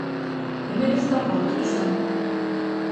Hemen ez da porrotik izan.